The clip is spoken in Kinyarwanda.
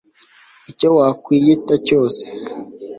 icyo wakwiyita cyose